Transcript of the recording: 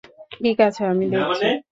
ঠিক আছে, আমি দেখছি।